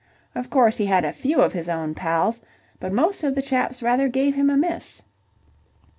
Of course, he had a few of his own pals, but most of the chaps rather gave him a miss.